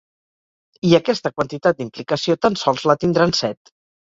I aquesta quantitat d’implicació tan sols la tindran set.